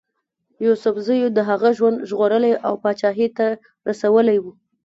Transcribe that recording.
یوسفزیو د هغه ژوند ژغورلی او پاچهي ته رسولی وو.